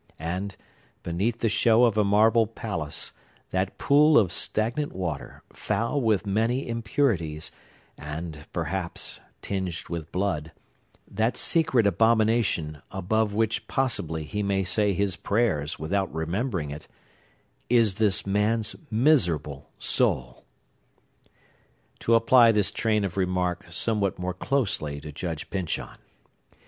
And, beneath the show of a marble palace, that pool of stagnant water, foul with many impurities, and, perhaps, tinged with blood,—that secret abomination, above which, possibly, he may say his prayers, without remembering it,—is this man's miserable soul! To apply this train of remark somewhat more closely to Judge Pyncheon.